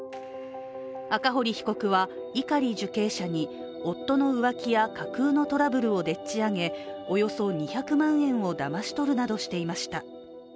赤堀被告は碇受刑者に夫の浮気や架空のトラブルをでっち上げおよそ２００万円をだまし取るなどしていました。